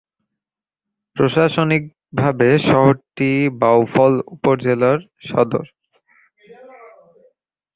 প্রশাসনিকভাবে শহরটি বাউফল উপজেলার সদর।